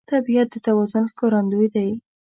طبیعت د توازن ښکارندوی دی.